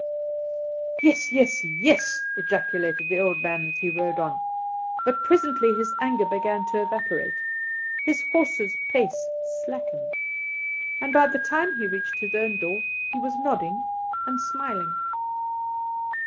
"Yes, yes, yes," ejaculated the old man as he rode on; but, presently, his anger began to evaporate, his horse's pace slackened, and by the time he had reached his own door he was nodding and smiling.